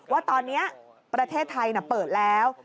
ว่าตอนนี้ประเทศไทยเปิดแล้ว